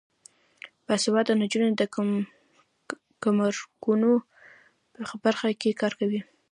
باسواده نجونې د ګمرکونو په برخه کې کار کوي.